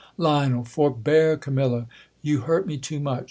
Lion, Forbear, Camilla. You hurt me too much.